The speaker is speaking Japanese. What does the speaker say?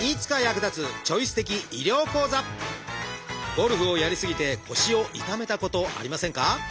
ゴルフをやり過ぎて腰を痛めたことありませんか？